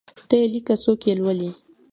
ته یی لیکه څوک یي لولﺉ